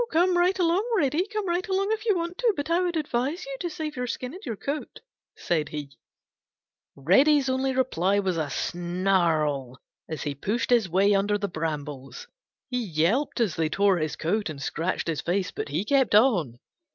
"Come right along, Reddy. Come right along if you want to, but I would advise you to save your skin and your coat," said he. Reddy's only reply was a snarl as he pushed his way under the brambles. He yelped as they tore his coat and scratched his face, but he kept on.